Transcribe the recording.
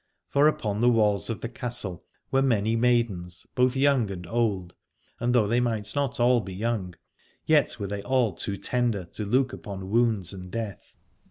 For upon the walls of the castle were many maidens, both young and old ; and though they might not all be young, yet were they all too tender to look upon wounds and death.